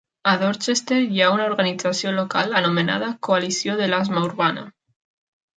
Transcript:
A Dorchester hi ha una organització local anomenada Coalició de l'Asma Urbana.